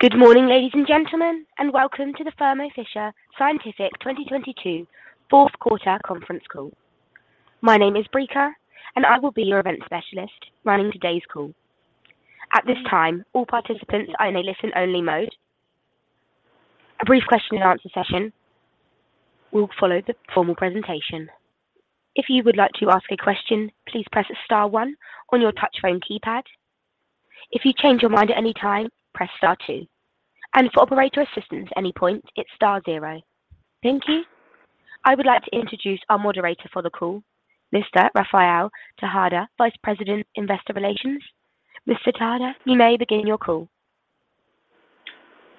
Good morning, ladies and gentlemen, and welcome to the Thermo Fisher Scientific 2022 fourth quarter conference call. My name is Brika, and I will be your event specialist running today's call. At this time, all participants are in a listen-only mode. A brief question and answer session will follow the formal presentation. If you would like to ask a question, please press star one on your touch phone keypad. If you change your mind at any time, press star two. For operator assistance at any point, it's star zero. Thank you. I would like to introduce our moderator for the call, Mr. Rafael Tejada, Vice President, Investor Relations. Mr. Tejada, you may begin your call.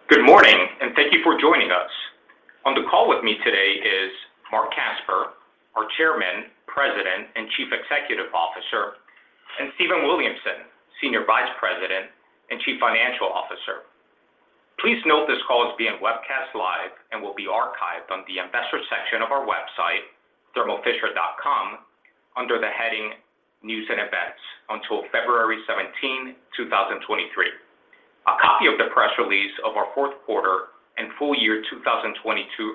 Good morning, and thank you for joining us. On the call with me today is Marc Casper, our Chairman, President, and Chief Executive Officer, and Stephen Williamson, Senior Vice President and Chief Financial Officer. Please note this call is being webcast live and will be archived on the investor section of our website, thermofisher.com, under the heading News & Events until February 17, 2023. A copy of the press release of our fourth quarter and full year 2022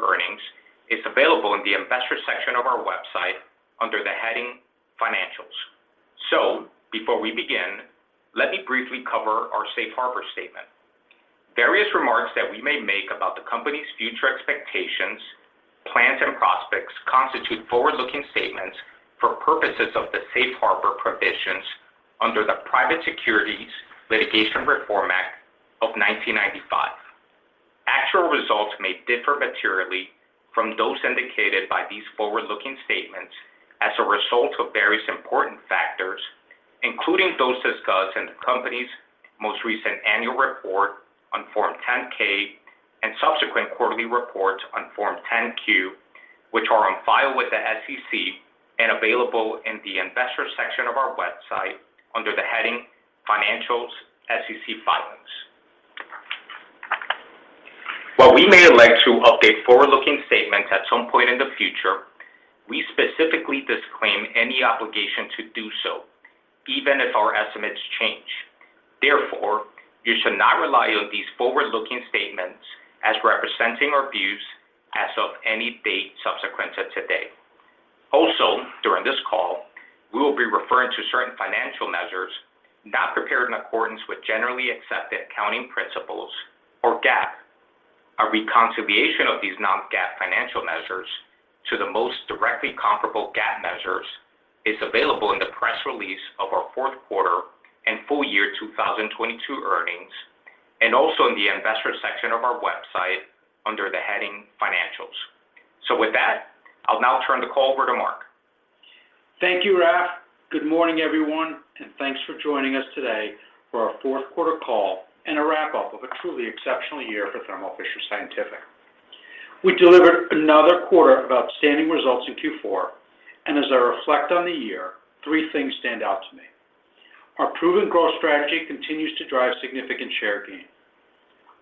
earnings is available in the investor section of our website under the heading Financials. Before we begin, let me briefly cover our safe harbor statement. Various remarks that we may make about the company's future expectations, plans, and prospects constitute forward-looking statements for purposes of the Safe Harbor Provisions under the Private Securities Litigation Reform Act of 1995. Actual results may differ materially from those indicated by these forward-looking statements as a result of various important factors, including those discussed in the company's most recent annual report on Form 10-K and subsequent quarterly reports on Form 10-Q, which are on file with the SEC and available in the investor section of our website under the heading Financials, SEC Filings. While we may elect to update forward-looking statements at some point in the future, we specifically disclaim any obligation to do so, even if our estimates change. Therefore, you should not rely on these forward-looking statements as representing our views as of any date subsequent to today. During this call, we will be referring to certain financial measures not prepared in accordance with generally accepted accounting principles or GAAP. A reconciliation of these non-GAAP financial measures to the most directly comparable GAAP measures is available in the press release of our fourth quarter and full year 2022 earnings, and also in the investor section of our website under the heading Financials. With that, I'll now turn the call over to Marc. Thank you, Raph. Good morning, everyone, and thanks for joining us today for our fourth quarter call and a wrap-up of a truly exceptional year for Thermo Fisher Scientific. We delivered another quarter of outstanding results in Q4, and as I reflect on the year, three things stand out to me. Our proven growth strategy continues to drive significant share gain.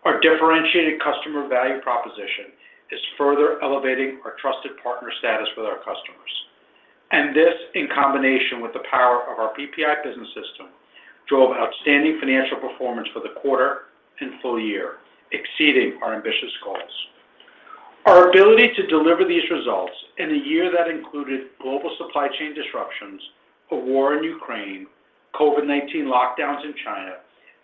Our differentiated customer value proposition is further elevating our trusted partner status with our customers. This, in combination with the power of our PPI Business System, drove outstanding financial performance for the quarter and full year, exceeding our ambitious goals. Our ability to deliver these results in a year that included global supply chain disruptions, a war in Ukraine, COVID-19 lockdowns in China,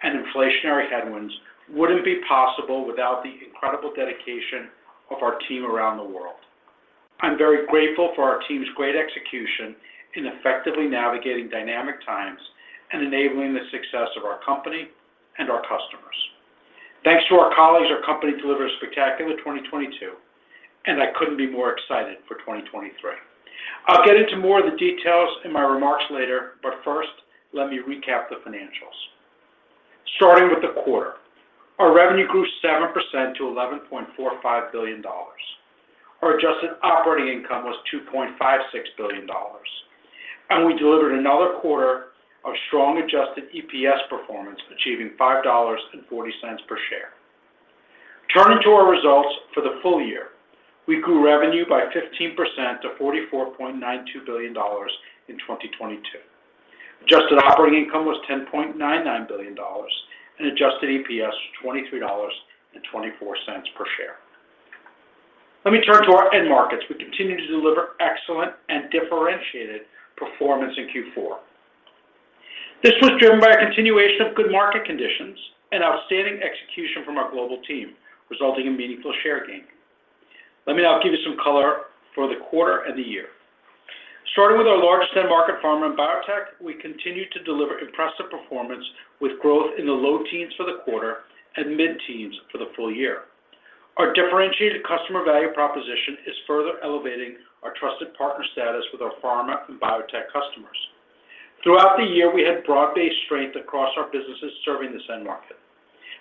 and inflationary headwinds wouldn't be possible without the incredible dedication of our team around the world. I'm very grateful for our team's great execution in effectively navigating dynamic times and enabling the success of our company and our customers. Thanks to our colleagues, our company delivered a spectacular 2022, and I couldn't be more excited for 2023. I'll get into more of the details in my remarks later, but first, let me recap the financials. Starting with the quarter. Our revenue grew 7% to $11.45 billion. Our adjusted operating income was $2.56 billion. We delivered another quarter of strong adjusted EPS performance, achieving $5.40 per share. Turning to our results for the full year. We grew revenue by 15% to $44.92 billion in 2022. Adjusted operating income was $10.99 billion and adjusted EPS was $23.24 per share. Let me turn to our end markets. We continue to deliver excellent and differentiated performance in Q4. This was driven by a continuation of good market conditions and outstanding execution from our global team, resulting in meaningful share gain. Let me now give you some color for the quarter and the year. Starting with our largest end market, pharma and biotech, we continue to deliver impressive performance with growth in the low teens for the quarter and mid-teens for the full year. Our differentiated customer value proposition is further elevating our trusted partner status with our pharma and biotech customers. Throughout the year, we had broad-based strength across our businesses serving this end market,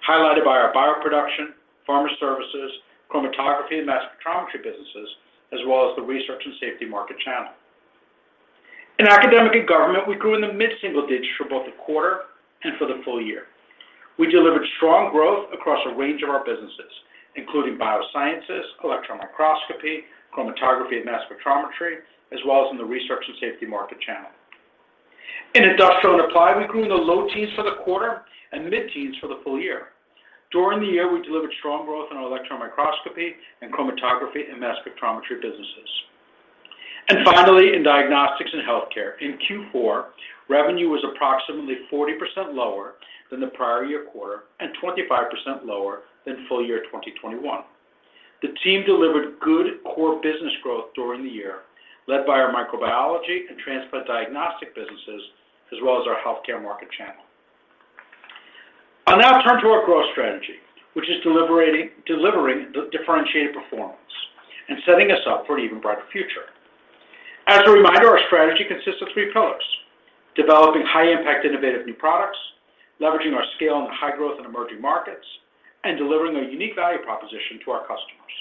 highlighted by our bioproduction, pharma services, chromatography and mass spectrometry businesses, as well as the research and safety market channel. In academic and government, we grew in the mid-single digits for both the quarter and for the full year. We delivered strong growth across a range of our businesses, including biosciences, electron microscopy, chromatography and mass spectrometry, as well as in the research and safety market channel. In Industrial and Applied, we grew in the low teens for the quarter and mid-teens for the full year. During the year, we delivered strong growth in our electron microscopy and chromatography and mass spectrometry businesses. Finally, in Diagnostics and Healthcare, in Q4, revenue was approximately 40% lower than the prior year quarter and 25% lower than full year 2021. The team delivered good core business growth during the year, led by our microbiology and transplant diagnostic businesses as well as our healthcare market channel. I'll now turn to our growth strategy, which is delivering the differentiated performance and setting us up for an even brighter future. As a reminder, our strategy consists of three pillars: developing high-impact, innovative new products, leveraging our scale in high-growth and emerging markets, and delivering a unique value proposition to our customers.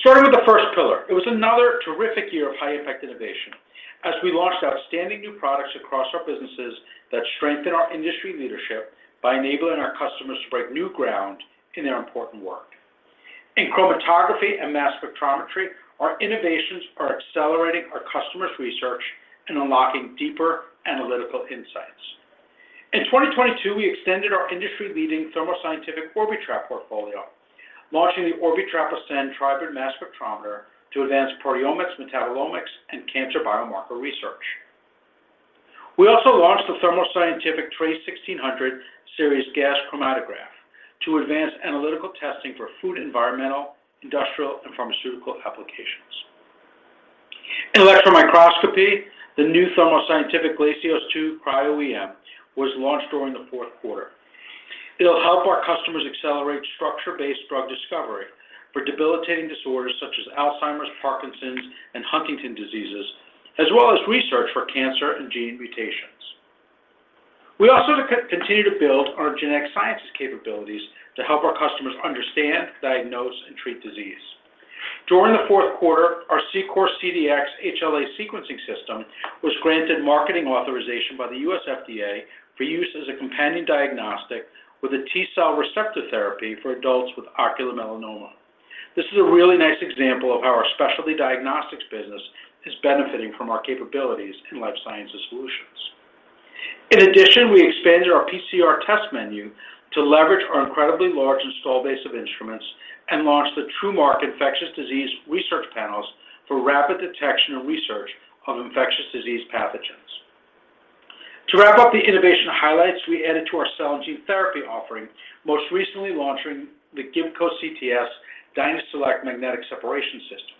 Starting with the first pillar, it was another terrific year of high-impact innovation as we launched outstanding new products across our businesses that strengthen our industry leadership by enabling our customers to break new ground in their important work. In chromatography and mass spectrometry, our innovations are accelerating our customers' research and unlocking deeper analytical insights. In 2022, we extended our industry-leading Thermo Scientific Orbitrap portfolio, launching the Orbitrap Ascend Tribrid Mass Spectrometer to advance proteomics, metabolomics, and cancer biomarker research. We also launched the Thermo Scientific TRACE 1600 Series Gas Chromatograph to advance analytical testing for food, environmental, industrial, and pharmaceutical applications. In electron microscopy, the new Thermo Scientific Krios Cryo-TEM was launched during the fourth quarter. It'll help our customers accelerate structure-based drug discovery for debilitating disorders such as Alzheimer's, Parkinson's, and Huntington's diseases, as well as research for cancer and gene mutations. We also continue to build our genetic sciences capabilities to help our customers understand, diagnose, and treat disease. During the fourth quarter, our SeCore CDx HLA Sequencing System was granted marketing authorization by the U.S. FDA for use as a companion diagnostic with a T-cell receptor therapy for adults with ocular melanoma. This is a really nice example of how our Specialty Diagnostics business is benefiting from our capabilities in Life Sciences Solutions. In addition, we expanded our PCR test menu to leverage our incredibly large install base of instruments and launched the TrueMark Infectious Disease Research Panels for rapid detection and research of infectious disease pathogens. To wrap up the innovation highlights, we added to our cell and gene therapy offering, most recently launching the Gibco CTS DynaCellect Magnetic Separation System.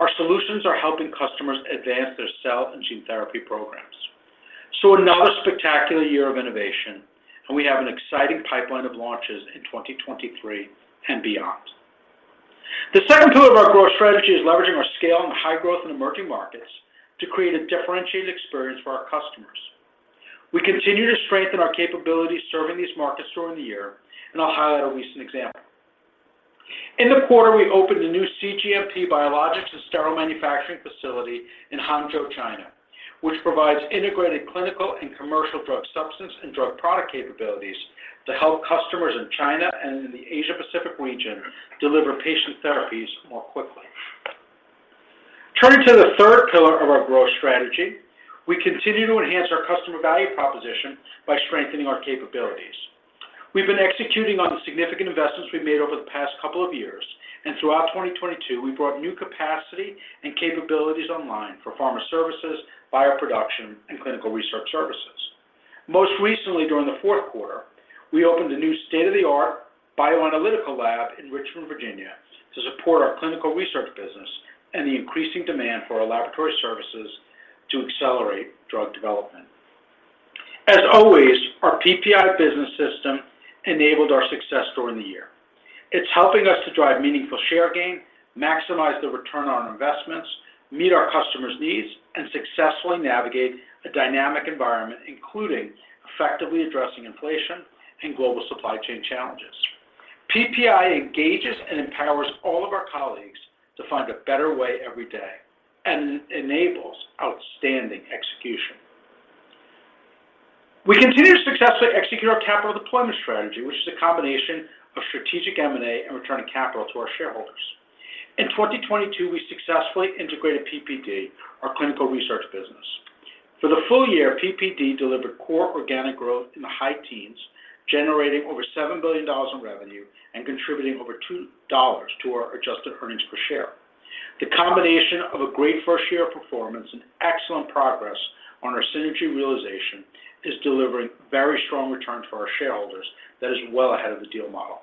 Our solutions are helping customers advance their cell and gene therapy programs. Another spectacular year of innovation, and we have an exciting pipeline of launches in 2023 and beyond. The second pillar of our growth strategy is leveraging our scale and high growth in emerging markets to create a differentiated experience for our customers. We continue to strengthen our capabilities serving these markets during the year, and I'll highlight a recent example. In the quarter, we opened a new cGMP biologics and sterile manufacturing facility in Hangzhou, China, which provides integrated clinical and commercial drug substance and drug product capabilities to help customers in China and in the Asia-Pacific region deliver patient therapies more quickly. Turning to the third pillar of our growth strategy, we continue to enhance our customer value proposition by strengthening our capabilities. We've been executing on the significant investments we've made over the past couple of years, and throughout 2022, we brought new capacity and capabilities online for pharma services, bioproduction, and clinical research services. Most recently, during the fourth quarter, we opened a new state-of-the-art bioanalytical lab in Richmond, Virginia, to support our clinical research business and the increasing demand for our laboratory services to accelerate drug development. As always, our PPI Business System enabled our success during the year. It's helping us to drive meaningful share gain, maximize the return on investments, meet our customers' needs, and successfully navigate a dynamic environment, including effectively addressing inflation and global supply chain challenges. PPI engages and empowers all of our colleagues to find a better way every day and enables outstanding execution. We continue to successfully execute our capital deployment strategy, which is a combination of strategic M&A and returning capital to our shareholders. In 2022, we successfully integrated PPD, our clinical research business. For the full year, PPD delivered core organic growth in the high teens, generating over $7 billion in revenue and contributing over $2 to our adjusted earnings per share. The combination of a great first-year performance and excellent progress on our synergy realization is delivering very strong returns for our shareholders that is well ahead of the deal model.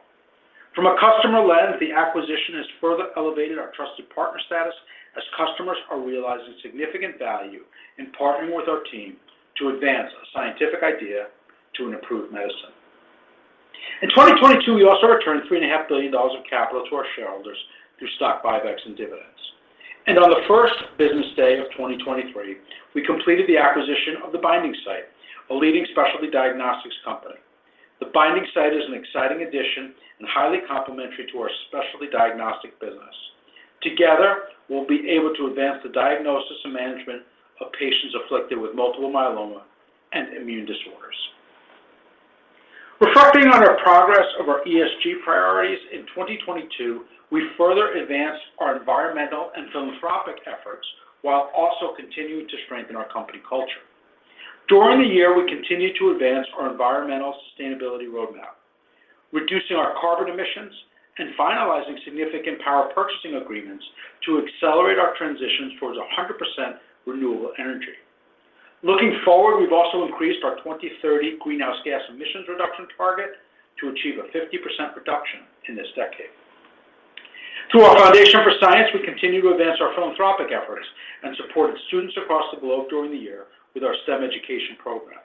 From a customer lens, the acquisition has further elevated our trusted partner status as customers are realizing significant value in partnering with our team to advance a scientific idea to an approved medicine. In 2022, we also returned $3.5 billion of capital to our shareholders through stock buybacks and dividends. On the first business day of 2023, we completed the acquisition of The Binding Site, a leading Specialty Diagnostics company. The Binding Site is an exciting addition and highly complementary to our Specialty Diagnostics business. Together, we'll be able to advance the diagnosis and management of patients afflicted with multiple myeloma and immune disorders. Reporting on our progress of our ESG priorities in 2022, we further advanced our environmental and philanthropic efforts while also continuing to strengthen our company culture. During the year, we continued to advance our environmental sustainability roadmap, reducing our carbon emissions and finalizing significant power purchasing agreements to accelerate our transitions towards 100% renewable energy. Looking forward, we've also increased our 2030 greenhouse gas emissions reduction target to achieve a 50% reduction in this decade. Through our foundation for science, we continue to advance our philanthropic efforts and supported students across the globe during the year with our STEM education programs.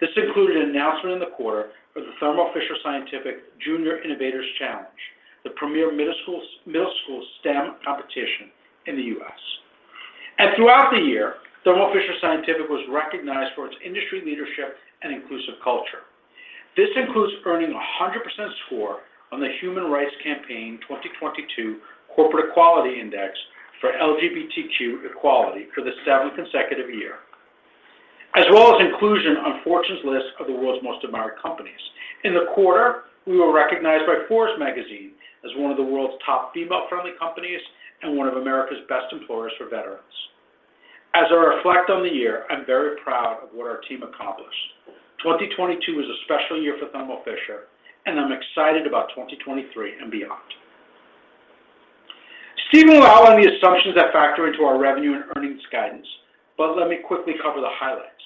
This included an announcement in the quarter for the Thermo Fisher Scientific Junior Innovators Challenge, the premier middle school STEM competition in the U.S. Throughout the year, Thermo Fisher Scientific was recognized for its industry leadership and inclusive culture. This includes earning a 100% score on the Human Rights Campaign 2022 Corporate Equality Index for LGBTQ equality for the seventh consecutive year, as well as inclusion on Fortune's list of the world's most admired companies. In the quarter, we were recognized by Forbes Magazine as one of the world's top female-friendly companies and one of America's best employers for veterans. As I reflect on the year, I'm very proud of what our team accomplished. 2022 was a special year for Thermo Fisher, and I'm excited about 2023 and beyond. Steve will allow on the assumptions that factor into our revenue and earnings guidance, but let me quickly cover the highlights.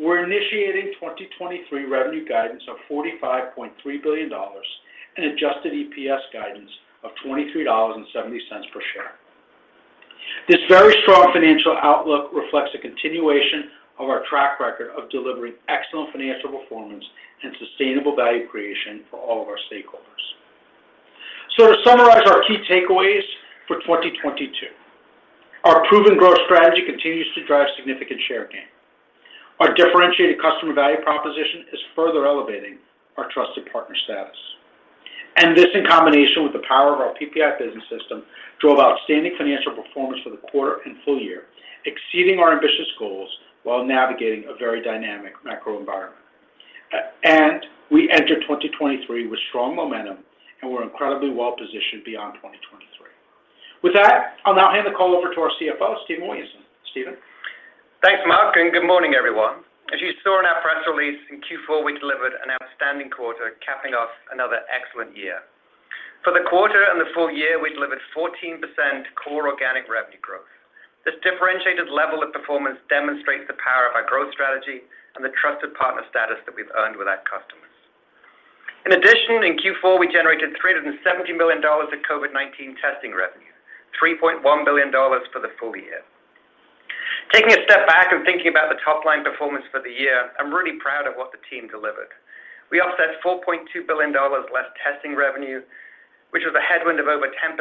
We're initiating 2023 revenue guidance of $45.3 billion and adjusted EPS guidance of $23.70 per share. This very strong financial outlook reflects a continuation of our track record of delivering excellent financial performance and sustainable value creation for all of our stakeholders. To summarize our key takeaways for 2022, our proven growth strategy continues to drive significant share gain. Our differentiated customer value proposition is further elevating our trusted partner status. This, in combination with the power of our PPI Business System, drove outstanding financial performance for the quarter and full year, exceeding our ambitious goals while navigating a very dynamic macro environment. We enter 2023 with strong momentum, and we're incredibly well-positioned beyond 2023. With that, I'll now hand the call over to our CFO, Stephen Williamson. Stephen. Thanks, Marc, and good morning, everyone. As you saw in our press release, in Q4, we delivered an outstanding quarter, capping off another excellent year. For the quarter and the full year, we delivered 14% core organic revenue growth. This differentiated level of performance demonstrates the power of our growth strategy and the trusted partner status that we've earned with our customers. In addition, in Q4, we generated $370 million of COVID-19 testing revenue, $3.1 billion for the full year. Taking a step back and thinking about the top-line performance for the year, I'm really proud of what the team delivered. We offset $4.2 billion less testing revenue, which was a headwind of over 10%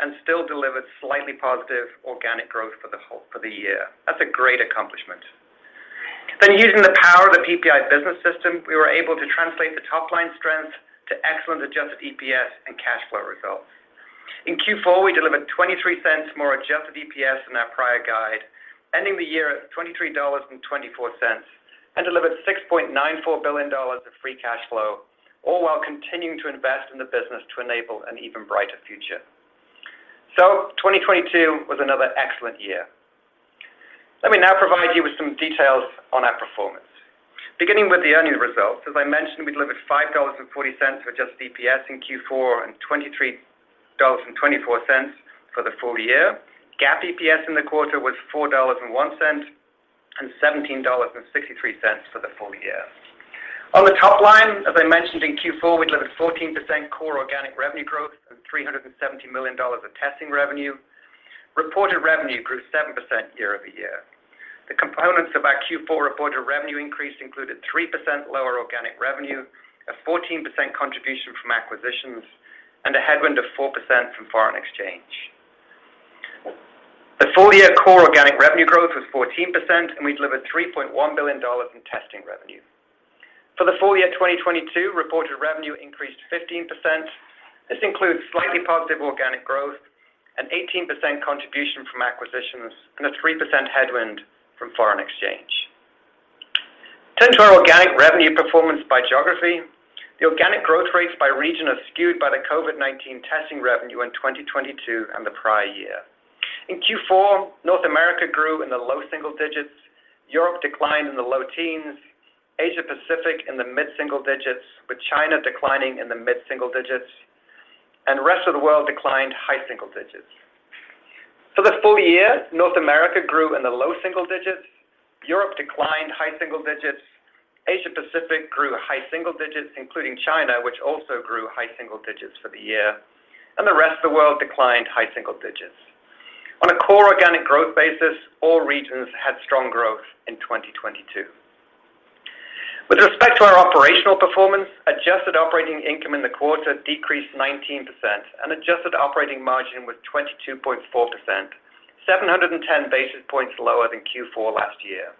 and still delivered slightly positive organic growth for the year. That's a great accomplishment. Using the power of the PPI Business System, we were able to translate the top-line strength to excellent adjusted EPS and cash flow results. In Q4, we delivered $0.23 more adjusted EPS than our prior guide, ending the year at $23.24, and delivered $6.94 billion of free cash flow, all while continuing to invest in the business to enable an even brighter future. 2022 was another excellent year. Let me now provide you with some details on our performance. Beginning with the earnings results, as I mentioned, we delivered $5.40 for adjusted EPS in Q4 and $23.24 for the full year. GAAP EPS in the quarter was $4.01, and $17.63 for the full year. On the top line, as I mentioned in Q4, we delivered 14% core organic revenue growth and $370 million of testing revenue. Reported revenue grew 7% year-over-year. The components of our Q4 reported revenue increase included 3% lower organic revenue, a 14% contribution from acquisitions, and a headwind of 4% from foreign exchange. The full-year core organic revenue growth was 14%, and we delivered $3.1 billion in testing revenue. For the full year 2022, reported revenue increased 15%. This includes slightly positive organic growth, an 18% contribution from acquisitions, and a 3% headwind from foreign exchange. Turning to our organic revenue performance by geography, the organic growth rates by region are skewed by the COVID-19 testing revenue in 2022 and the prior year. In Q4, North America grew in the low single digits. Europe declined in the low teens. Asia Pacific in the mid-single digits, with China declining in the mid-single digits. Rest of the world declined high single digits. For the full year, North America grew in the low single digits. Europe declined high single digits. Asia Pacific grew high single digits, including China, which also grew high single digits for the year. The rest of the world declined high single digits. On a core organic growth basis, all regions had strong growth in 2022. With respect to our operational performance, adjusted operating income in the quarter decreased 19% and adjusted operating margin was 22.4%, 710 basis points lower than Q4 last year.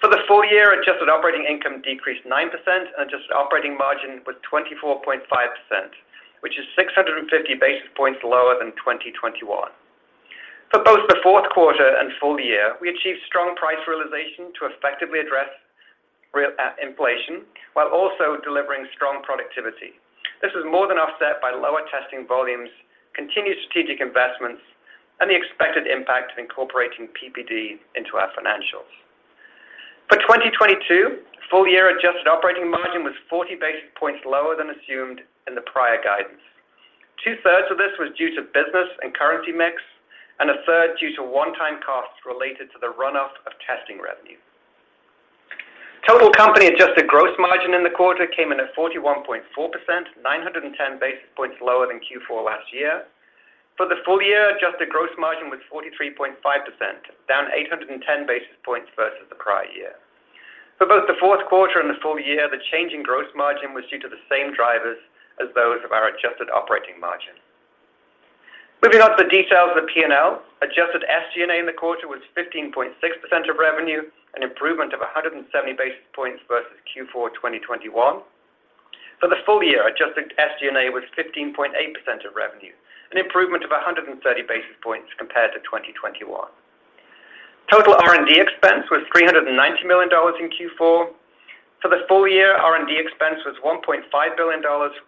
For the full year, adjusted operating income decreased 9% and adjusted operating margin was 24.5%, which is 650 basis points lower than 2021. For both the fourth quarter and full year, we achieved strong price realization to effectively address inflation while also delivering strong productivity. This is more than offset by lower testing volumes, continued strategic investments, and the expected impact of incorporating PPD into our financials. For 2022, full year adjusted operating margin was 40 basis points lower than assumed in the prior guidance.2/3 of this was due to business and currency mix, and a third due to one-time costs related to the run off of testing revenue. Total company adjusted gross margin in the quarter came in at 41.4%, 910 basis points lower than Q4 last year. For the full year, adjusted gross margin was 43.5%, down 810 basis points versus the prior year. For both the fourth quarter and the full year, the change in gross margin was due to the same drivers as those of our adjusted operating margin. Moving on to the details of P&L. Adjusted SG&A in the quarter was 15.6% of revenue, an improvement of 170 basis points versus Q4 2021. For the full year, adjusted SG&A was 15.8% of revenue, an improvement of 130 basis points compared to 2021. Total R&D expense was $390 million in Q4. For the full year, R&D expense was $1.5 billion,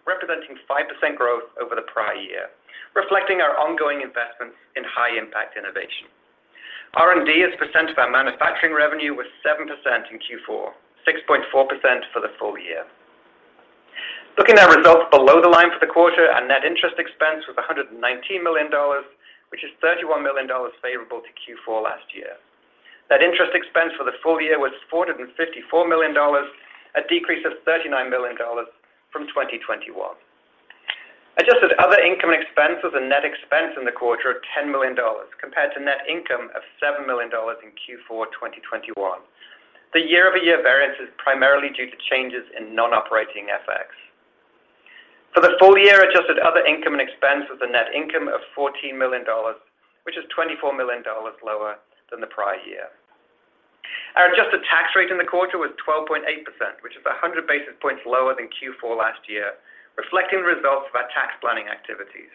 representing 5% growth over the prior year, reflecting our ongoing investments in high impact innovation. R&D as a percent of our manufacturing revenue was 7% in Q4, 6.4% for the full year. Looking at results below the line for the quarter, our net interest expense was $119 million, which is $31 million favorable to Q4 last year. Net interest expense for the full year was $454 million, a decrease of $39 million from 2021. Adjusted other income expenses and net expense in the quarter of $10 million, compared to net income of $7 million in Q4 2021. The year-over-year variance is primarily due to changes in non-operating FX. For the full year, adjusted other income and expense was a net income of $14 million, which is $24 million lower than the prior year. Our adjusted tax rate in the quarter was 12.8%, which is 100 basis points lower than Q4 last year, reflecting the results of our tax planning activities.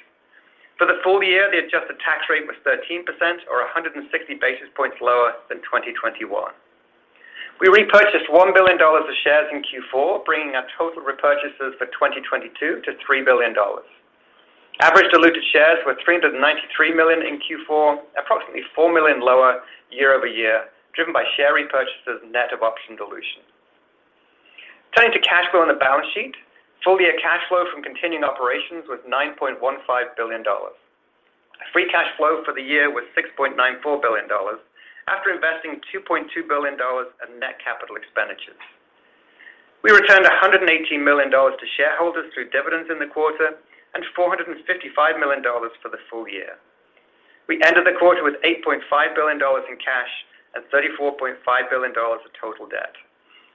For the full year, the adjusted tax rate was 13% or 160 basis points lower than 2021. We repurchased $1 billion of shares in Q4, bringing our total repurchases for 2022 to $3 billion. Average diluted shares were 393 million in Q4, approximately 4 million lower year-over-year, driven by share repurchases net of option dilution. Turning to cash flow on the balance sheet. Full year cash flow from continuing operations was $9.15 billion. Free cash flow for the year was $6.94 billion. After investing $2.2 billion in net capital expenditures. We returned $118 million to shareholders through dividends in the quarter and $455 million for the full year. We ended the quarter with $8.5 billion in cash and $34.5 billion of total debt.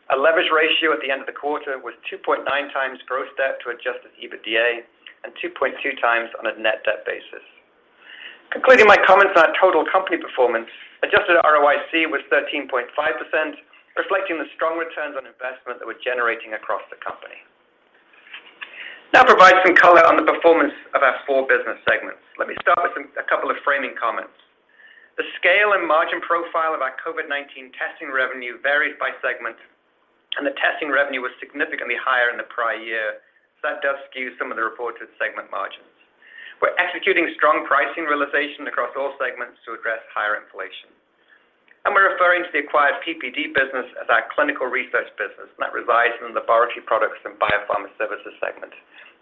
Our leverage ratio at the end of the quarter was 2.9x gross debt to adjusted EBITDA, and 2.2x on a net debt basis. Concluding my comments on total company performance, adjusted ROIC was 13.5%, reflecting the strong returns on investment that we're generating across the company. Provide some color on the performance of our four business segments. Let me start with a couple of framing comments. The scale and margin profile of our COVID-19 testing revenue varies by segment, and the testing revenue was significantly higher in the prior year. That does skew some of the reported segment margins. We're executing strong pricing realization across all segments to address higher inflation. We're referring to the acquired PPD business as our clinical research business, and that resides in the Laboratory Products and Biopharma Services segment.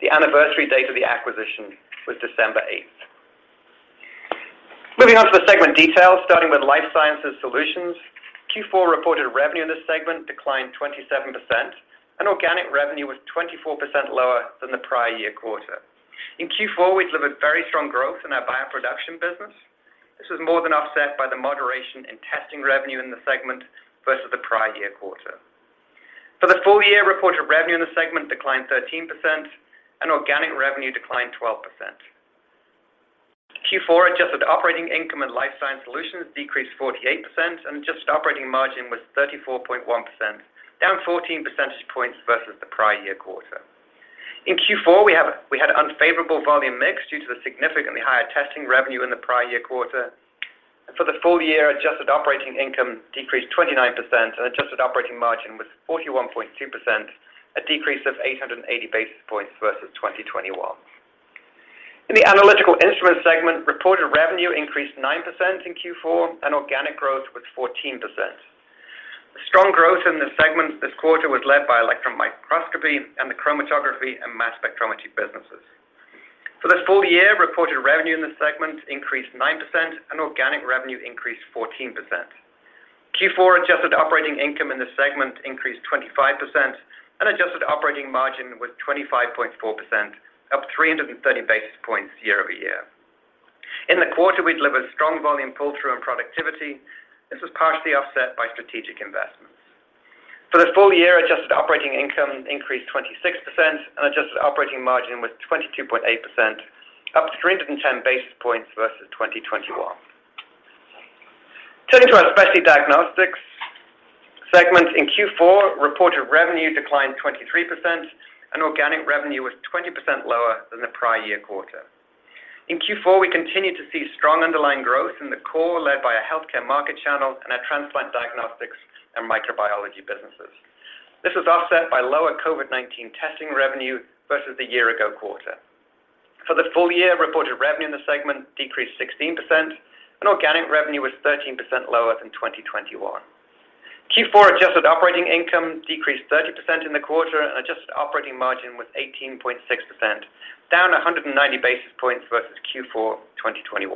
The anniversary date of the acquisition was December 8th. Moving on to the segment details, starting with Life Sciences Solutions. Q4 reported revenue in this segment declined 27%, and organic revenue was 24% lower than the prior year quarter. In Q4, we delivered very strong growth in our bioproduction business. This was more than offset by the moderation in testing revenue in the segment versus the prior year quarter. For the full year, reported revenue in the segment declined 13%, and organic revenue declined 12%. Q4 adjusted operating income in Life Sciences Solutions decreased 48%, adjusted operating margin was 34.1%, down 14 percentage points versus the prior year quarter. In Q4, we had unfavorable volume mix due to the significantly higher testing revenue in the prior year quarter. For the full year, adjusted operating income decreased 29% and adjusted operating margin was 41.2%, a decrease of 880 basis points versus 2021. In the analytical instrument segment, reported revenue increased 9% in Q4 and organic growth was 14%. The strong growth in this segment this quarter was led by electron microscopy and the chromatography and mass spectrometry businesses. For this full year, reported revenue in this segment increased 9% and organic revenue increased 14%. Q4 adjusted operating income in this segment increased 25% and adjusted operating margin was 25.4%, up 330 basis points year-over-year. In the quarter, we delivered strong volume pull-through and productivity. This was partially offset by strategic investments. For the full year, adjusted operating income increased 26% and adjusted operating margin was 22.8%, up 310 basis points versus 2021. Turning to our Specialty Diagnostics segment. In Q4, reported revenue declined 23% and organic revenue was 20% lower than the prior year quarter. In Q4, we continued to see strong underlying growth in the core, led by a healthcare market channel and our transplant diagnostics and microbiology businesses. This was offset by lower COVID-19 testing revenue versus the year ago quarter. For the full year, reported revenue in the segment decreased 16% and organic revenue was 13% lower than 2021. Q4 adjusted operating income decreased 30% in the quarter, and adjusted operating margin was 18.6%, down 190 basis points versus Q4 2021.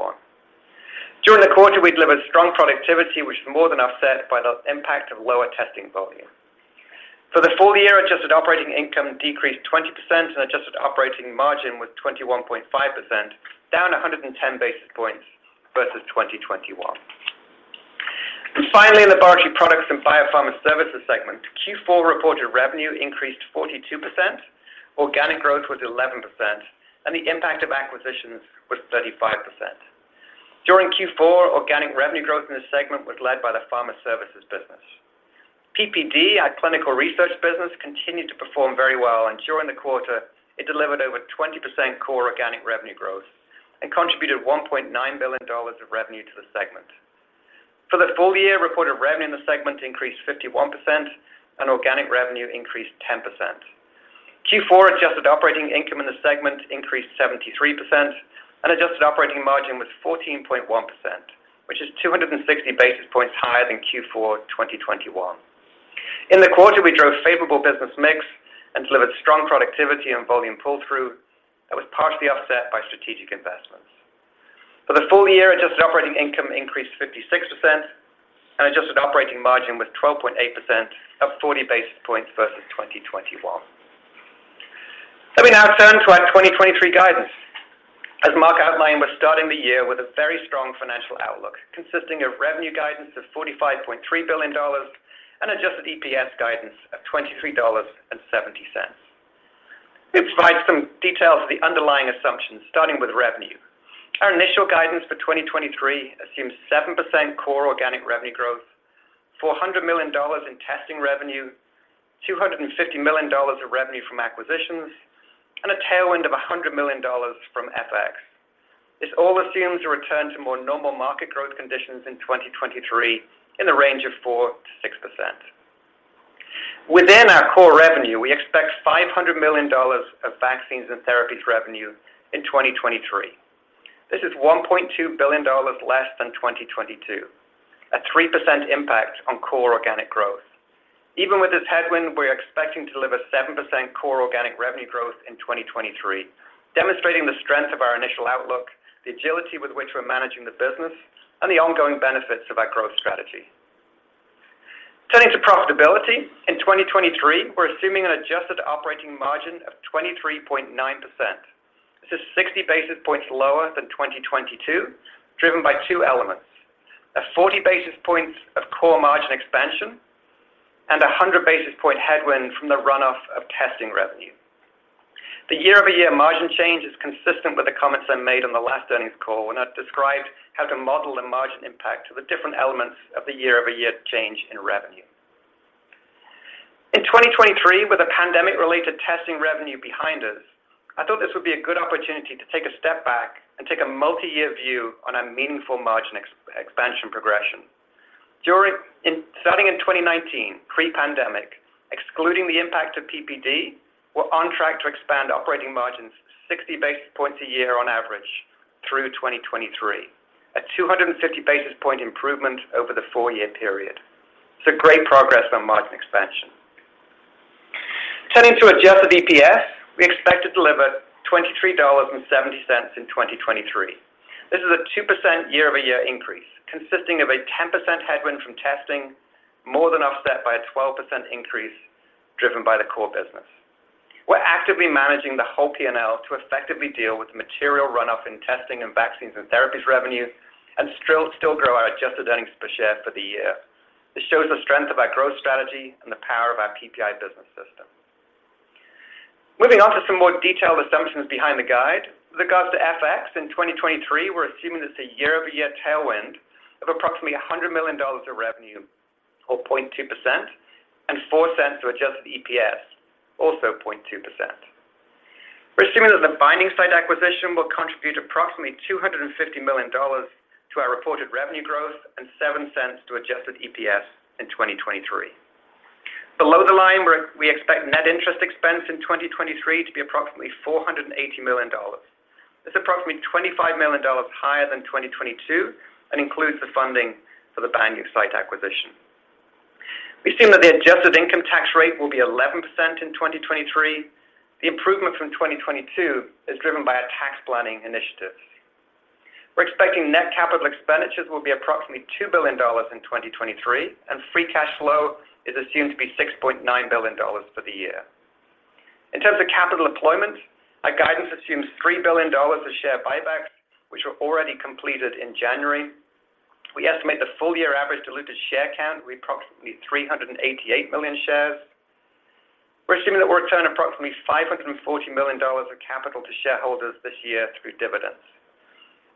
During the quarter, we delivered strong productivity, which was more than offset by the impact of lower testing volume. For the full year, adjusted operating income decreased 20% and adjusted operating margin was 21.5%, down 110 basis points versus 2021. Laboratory Products and Biopharma Services segment. Q4 reported revenue increased 42%. Organic growth was 11%, and the impact of acquisitions was 35%. During Q4, organic revenue growth in this segment was led by the Pharma Services business. PPD, our clinical research business, continued to perform very well. During the quarter, it delivered over 20% core organic revenue growth and contributed $1.9 billion of revenue to the segment. For the full year, reported revenue in the segment increased 51% and organic revenue increased 10%. Q4 adjusted operating income in the segment increased 73% and adjusted operating margin was 14.1%, which is 260 basis points higher than Q4 2021. In the quarter, we drove favorable business mix and delivered strong productivity and volume pull-through that was partially offset by strategic investments. For the full year, adjusted operating income increased 56% and adjusted operating margin was 12.8%, up 40 basis points versus 2021. Let me now turn to our 2023 guidance. As Marc outlined, we're starting the year with a very strong financial outlook, consisting of revenue guidance of $45.3 billion and adjusted EPS guidance of $23.70. Let me provide some details of the underlying assumptions, starting with revenue. Our initial guidance for 2023 assumes 7% core organic revenue growth, $400 million in testing revenue, $250 million of revenue from acquisitions, and a tailwind of $100 million from FX. This all assumes a return to more normal market growth conditions in 2023 in the range of 4%-6%. Within our core revenue, we expect $500 million of vaccines and therapies revenue in 2023. This is $1.2 billion less than 2022. A 3% impact on core organic growth. Even with this headwind, we are expecting to deliver 7% core organic revenue growth in 2023, demonstrating the strength of our initial outlook, the agility with which we're managing the business, and the ongoing benefits of our growth strategy. Turning to profitability. In 2023, we're assuming an adjusted operating margin of 23.9%. This is 60 basis points lower than 2022, driven by two elements. A 40 basis points of core margin expansion and a 100 basis point headwind from the runoff of testing revenue. The year-over-year margin change is consistent with the comments I made on the last earnings call when I described how to model the margin impact of the different elements of the year-over-year change in revenue. In 2023, with the pandemic-related testing revenue behind us, I thought this would be a good opportunity to take a step back and take a multi-year view on our meaningful margin expansion progression. Starting in 2019, pre-pandemic, excluding the impact of PPD, we're on track to expand operating margins 60 basis points a year on average through 2023. A 250 basis point improvement over the four-year period. It's a great progress on margin expansion. Turning to adjusted EPS. We expect to deliver $23.70 in 2023. This is a 2% year-over-year increase consisting of a 10% headwind from testing, more than offset by a 12% increase driven by the core business. We're actively managing the whole P&L to effectively deal with material runoff in testing and vaccines and therapies revenue, still grow our adjusted earnings per share for the year. This shows the strength of our growth strategy and the power of our PPI business system. Moving on to some more detailed assumptions behind the guide. With regards to FX in 2023, we're assuming it's a year-over-year tailwind of approximately $100 million of revenue, or 0.2%, $0.04 to adjusted EPS, also 0.2%. We're assuming that The Binding Site acquisition will contribute approximately $250 million to our reported revenue growth and $0.07 to adjusted EPS in 2023. Below the line, we expect net interest expense in 2023 to be approximately $480 million. That's approximately $25 million higher than 2022 and includes the funding for The Binding Site acquisition. We assume that the adjusted income tax rate will be 11% in 2023. The improvement from 2022 is driven by our tax planning initiatives. We're expecting net capital expenditures will be approximately $2 billion in 2023, and free cash flow is assumed to be $6.9 billion for the year. In terms of capital employment, our guidance assumes $3 billion of share buybacks, which were already completed in January. We estimate the full year average diluted share count to be approximately 388 million shares. We're assuming that we'll return approximately $540 million of capital to shareholders this year through dividends.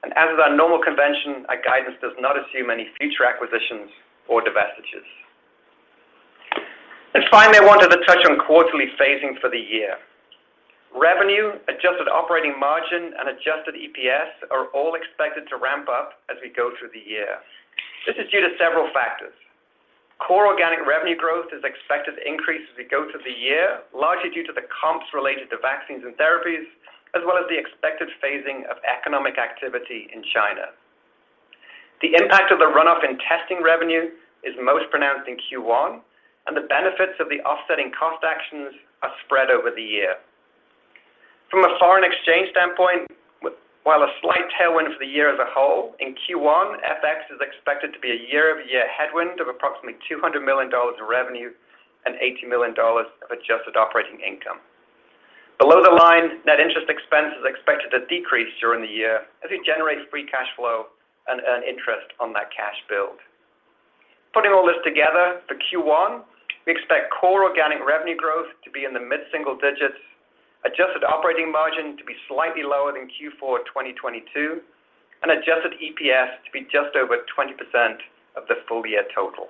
As is our normal convention, our guidance does not assume any future acquisitions or divestitures. Finally, I wanted to touch on quarterly phasing for the year. Revenue, adjusted operating margin, and adjusted EPS are all expected to ramp up as we go through the year. This is due to several factors. Core organic revenue growth is expected to increase as we go through the year, largely due to the comps related to vaccines and therapies, as well as the expected phasing of economic activity in China. The impact of the runoff in testing revenue is most pronounced in Q1, and the benefits of the offsetting cost actions are spread over the year. From a foreign exchange standpoint, while a slight tailwind for the year as a whole, in Q1, FX is expected to be a year-over-year headwind of approximately $200 million in revenue and $80 million of adjusted operating income. Below the line, net interest expense is expected to decrease during the year as we generate free cash flow and earn interest on that cash build. Putting all this together, for Q1, we expect core organic revenue growth to be in the mid-single digits, adjusted operating margin to be slightly lower than Q4 2022, and adjusted EPS to be just over 20% of the full-year total.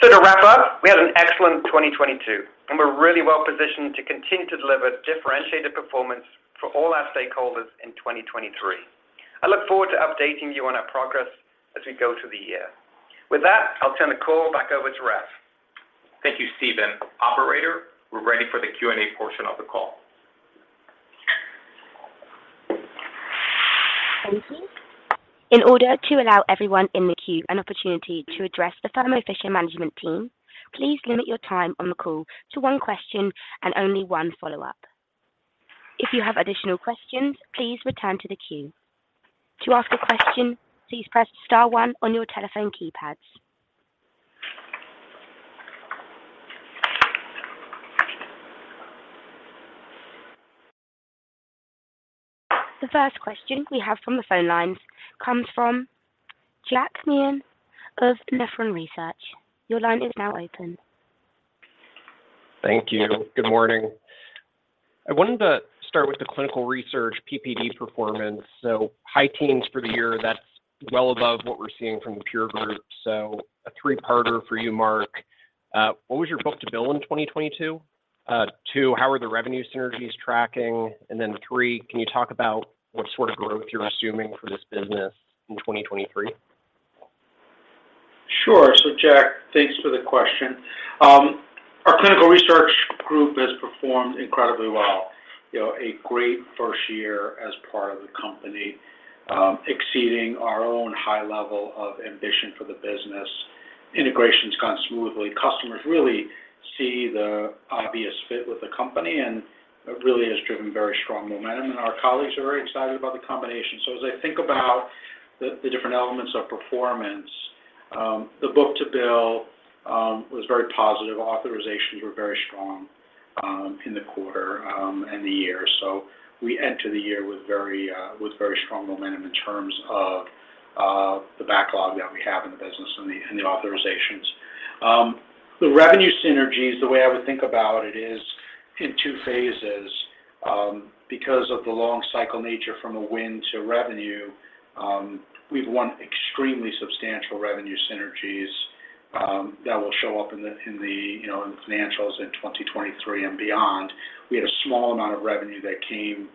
To wrap up, we had an excellent 2022, and we're really well-positioned to continue to deliver differentiated performance for all our stakeholders in 2023. I look forward to updating you on our progress as we go through the year. With that, I'll turn the call back over to Raf. Thank you, Stephen. Operator, we're ready for the Q&A portion of the call. Thank you. In order to allow everyone in the queue an opportunity to address the Thermo Fisher management team, please limit your time on the call to one question and only one follow-up. If you have additional questions, please return to the queue. To ask a question, please press star one on your telephone keypads. The first question we have from the phone lines comes from Jack Meehan of Nephron Research. Your line is now open. Thank you. Good morning. I wanted to start with the clinical research PPD performance. High teens for the year, that's well above what we're seeing from the peer group. A three-parter for you, Marc. What was your book-to-bill in 2022? 2, how are the revenue synergies tracking? three, can you talk about what sort of growth you're assuming for this business in 2023? Sure. Jack, thanks for the question. Our clinical research group has performed incredibly well. You know, a great first year as part of the company, exceeding our own high level of ambition for the business. Integration's gone smoothly. Customers really see the obvious fit with the company, and it really has driven very strong momentum, and our colleagues are very excited about the combination. As I think about the different elements of performance, the book-to-bill was very positive. Authorizations were very strong in the quarter and the year. We enter the year with very strong momentum in terms of the backlog that we have in the business and the authorizations. The revenue synergies, the way I would think about it is in two phases, because of the long cycle nature from a win to revenue, we've won extremely substantial revenue synergies that will show up in the, in the, you know, in the financials in 2023 and beyond. We had a small amount of revenue that came,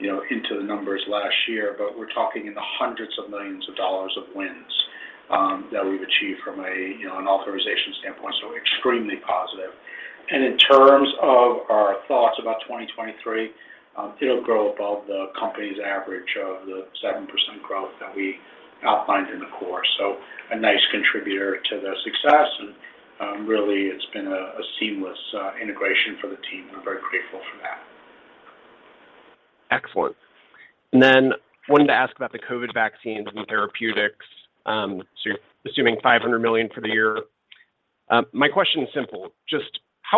you know, into the numbers last year, but we're talking in the hundreds of millions of dollars of wins that we've achieved from a, you know, an authorization standpoint, so extremely positive. In terms of our thoughts about 2023, it'll grow above the company's average of the 7% growth that we outlined in the core. A nice contributor to the success and really it's been a seamless integration for the team. We're very grateful for that. Excellent. wanted to ask about the COVID vaccines and therapeutics. you're assuming $500 million for the year. My question is simple. How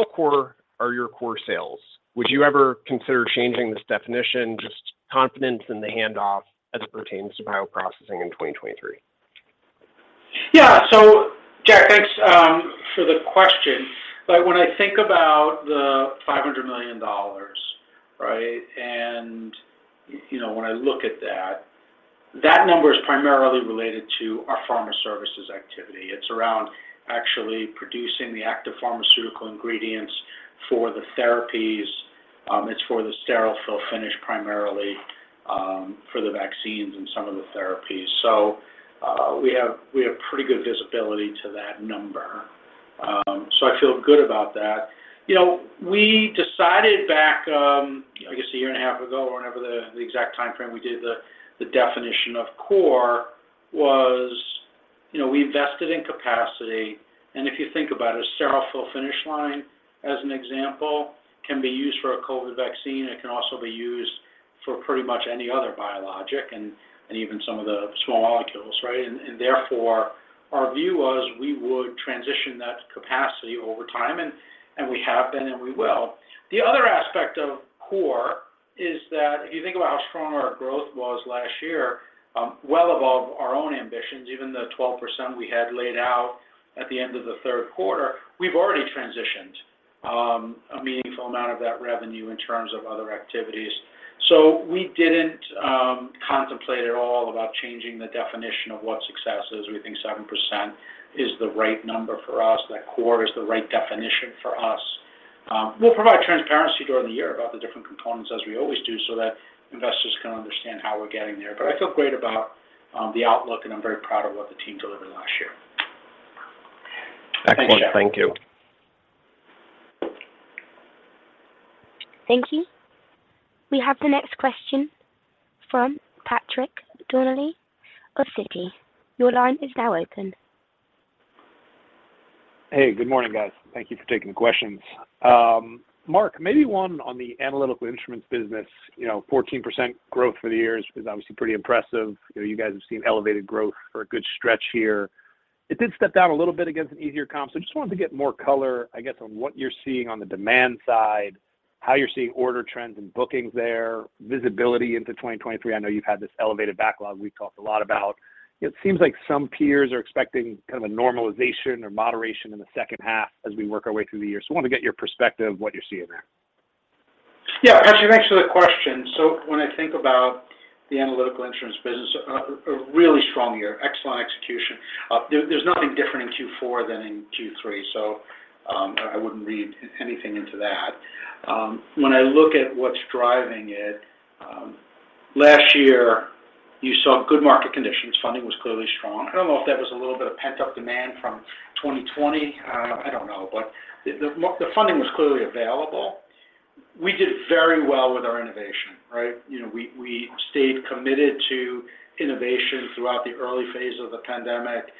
core are your core sales? Would you ever consider changing this definition? confidence in the handoff as it pertains to bioprocessing in 2023. Yeah. Jack, thanks for the question. When I think about the $500 million, right, and, you know, when I look at that number is primarily related to our pharma services activity. It's around actually producing the active pharmaceutical ingredients for the therapies. It's for the sterile fill finish primarily for the vaccines and some of the therapies. We have pretty good visibility to that number, so I feel good about that. You know, we decided back, I guess a year and a half ago or whenever the exact timeframe we did the definition of core was, you know, we invested in capacity. If you think about a sterile fill finish line, as an example, can be used for a COVID vaccine. It can also be used for pretty much any other biologic and even some of the small molecules, right? Therefore, our view was we would transition that capacity over time, and we have been and we will. The other aspect of core is that if you think about how strong our growth was last year, well above our own ambitions, even the 12% we had laid out at the end of the third quarter, we've already transitioned a meaningful amount of that revenue in terms of other activities. We didn't contemplate at all about changing the definition of what success is. We think 7% is the right number for us, that core is the right definition for us. We'll provide transparency during the year about the different components, as we always do, so that investors can understand how we're getting there. I feel great about the outlook, and I'm very proud of what the team delivered last year. Excellent. Thank you. Thank you. We have the next question from Patrick Donnelly of Citi. Your line is now open. Good morning, guys. Thank you for taking the questions. Marc, maybe one on the analytical instruments business. You know, 14% growth for the year is obviously pretty impressive. You know, you guys have seen elevated growth for a good stretch here. It did step down a little bit against an easier comp, I just wanted to get more color, I guess, on what you're seeing on the demand side, how you're seeing order trends and bookings there, visibility into 2023. I know you've had this elevated backlog we've talked a lot about. It seems like some peers are expecting kind of a normalization or moderation in the second half as we work our way through the year. I wanted to get your perspective, what you're seeing there. Yeah. Patrick, thanks for the question. When I think about the analytical instruments business, a really strong year, excellent execution. There's nothing different in Q4 than in Q3, so I wouldn't read anything into that. When I look at what's driving it, last year you saw good market conditions. Funding was clearly strong. I don't know if that was a little bit of pent-up demand from 2020. I don't know. The funding was clearly available. We did very well with our innovation, right? You know, we stayed committed to innovation throughout the early phase of the pandemic,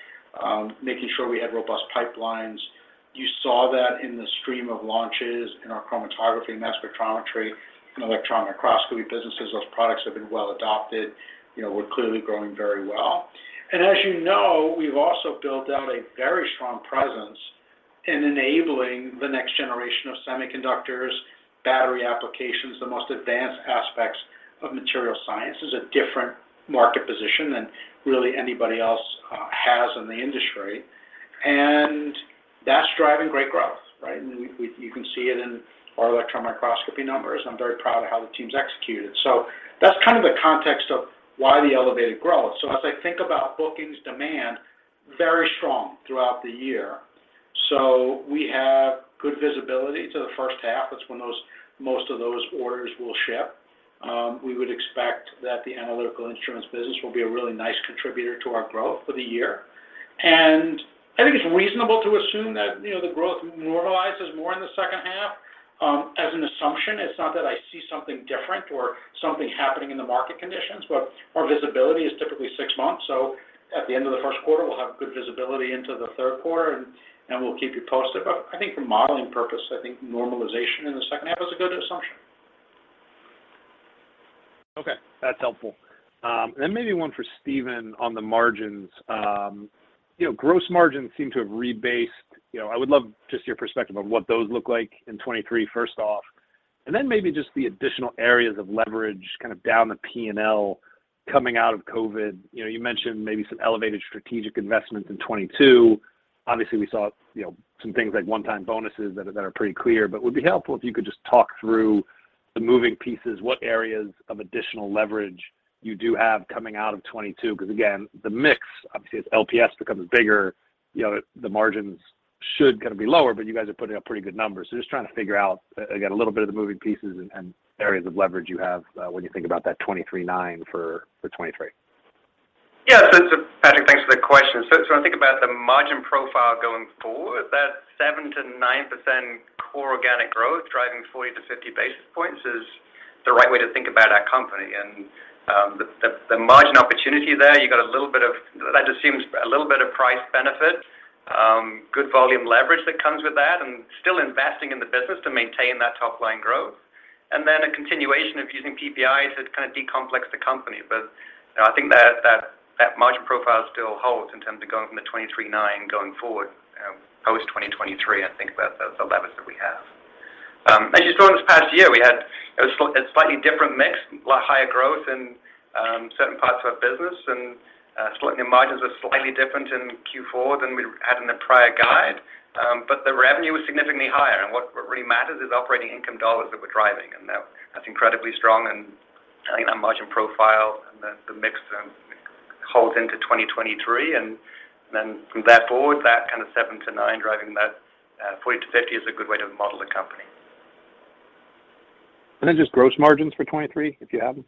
making sure we had robust pipelines. You saw that in the stream of launches in our chromatography, mass spectrometry, and electron microscopy businesses. Those products have been well adopted. You know, we're clearly growing very well. As you know, we've also built out a very strong presence in enabling the next generation of semiconductors, battery applications. The most advanced aspects of material science is a different market position than really anybody else has in the industry. That's driving great growth, right? You can see it in our electron microscopy numbers. I'm very proud of how the team's executed. That's kind of the context of why the elevated growth. As I think about bookings demand, very strong throughout the year. We have good visibility to the first half. That's when most of those orders will ship. We would expect that the analytical instruments business will be a really nice contributor to our growth for the year. I think it's reasonable to assume that, you know, the growth normalizes more in the second half, as an assumption. It's not that I see something different or something happening in the market conditions. Our visibility is typically six months, so at the end of the first quarter, we'll have good visibility into the third quarter, and we'll keep you posted. I think for modeling purpose, I think normalization in the second half is a good assumption. Okay, that's helpful. Maybe one for Stephen on the margins. Gross margins seem to have rebased. I would love just your perspective of what those look like in 2023, first off, and then maybe just the additional areas of leverage kind of down the P&L coming out of COVID. You mentioned maybe some elevated strategic investments in 2022. Obviously, we saw some things like one-time bonuses that are pretty clear. It would be helpful if you could just talk through the moving pieces, what areas of additional leverage you do have coming out of 2022. Because again, the mix, obviously, as LPS becomes bigger, the margins should kind of be lower, but you guys are putting up pretty good numbers. just trying to figure out, again, a little bit of the moving pieces and areas of leverage you have, when you think about that $23.9 for 2023. Patrick, thanks for the question. When I think about the margin profile going forward, that 7%-9% core organic growth driving 40-50 basis points is the right way to think about our company. The margin opportunity there, that just seems a little bit of price benefit, good volume leverage that comes with that, still investing in the business to maintain that top-line growth. Then a continuation of using PPIs has kind of decomplexed the company. You know, I think that margin profile still holds in terms of going from the 23.9% going forward, post 2023. I think that that's the levers that we have. As you saw this past year, we had a slightly different mix, a lot higher growth in certain parts of our business. Slightly the margins were slightly different in Q4 than we had in the prior guide. The revenue was significantly higher. What really matters is operating income dollars that we're driving, and that's incredibly strong. I think that margin profile and the mix holds into 2023. From that forward, that kind of 7%-9% driving that 40%-50% is a good way to model the company. Just gross margins for 2023, if you have them?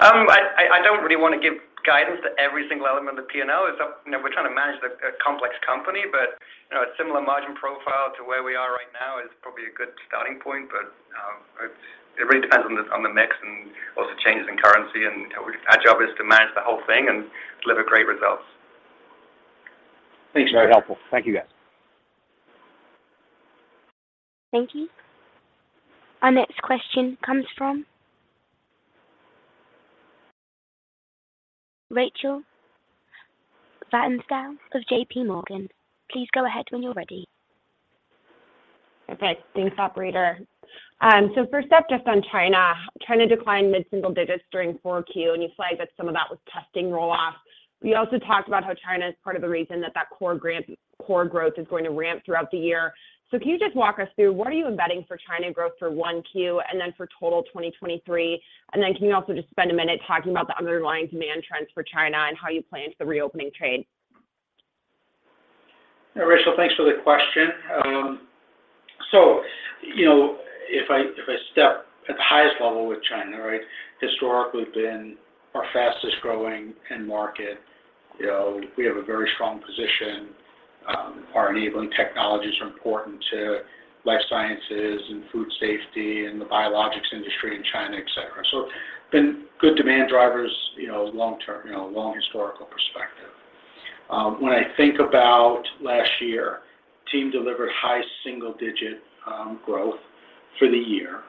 I don't really wanna give guidance to every single element of P&L. It's, you know, we're trying to manage a complex company, but, you know, a similar margin profile to where we are right now is probably a good starting point. It really depends on the mix and also changes in currency. Our job is to manage the whole thing and deliver great results. Thanks. Very helpful. Thank you, guys. Thank you. Our next question comes from Rachel Vatnsdal of JPMorgan, please go ahead when you're ready. Thanks, operator. First up, just on China. China declined mid-single digits during 4Q. You flagged that some of that was testing roll-off. We also talked about how China is part of the reason that core growth is going to ramp throughout the year. Can you just walk us through what are you embedding for China growth for 1Q and then for total 2023? Can you also just spend a minute talking about the underlying demand trends for China and how you play into the reopening trade? Yeah. Rachel, thanks for the question. You know, if I step at the highest level with China, right, historically been our fastest-growing end market. You know, we have a very strong position. Our enabling technologies are important to life sciences and food safety and the biologics industry in China, et cetera. Been good demand drivers, you know, long term, you know, long historical perspective. When I think about last year, team delivered high single-digit growth for the year.